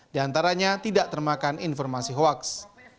di antaranya tidak termakan informasi hoaks